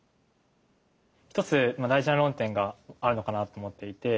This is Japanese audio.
一つ大事な論点があるのかなと思っていて。